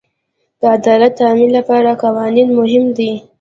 د عدالت د تامین لپاره قوانین مهم دي.